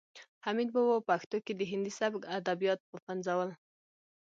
حمید بابا په پښتو کې د هندي سبک ادبیات وپنځول.